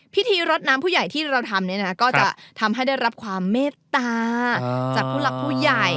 พิธีรดน้ำผู้ใหญ่ที่เราทำก็จะทำให้ได้รับความเมตตาจากผู้หลักผู้ใหญ่